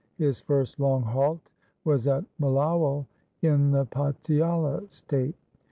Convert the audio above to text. His first long halt was at Mulowal in the Patiala State.